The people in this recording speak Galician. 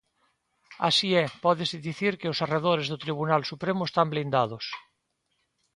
Así é, pódese dicir que os arredores do Tribunal Supremo están blindados.